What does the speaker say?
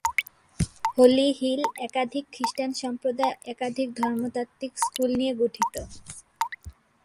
হলি hill একাধিক খৃস্টান সম্প্রদায় একাধিক ধর্মতাত্ত্বিক স্কুল নিয়ে গঠিত।